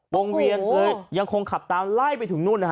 วงเวียนเลยยังคงขับตามไล่ไปถึงนู่นนะฮะ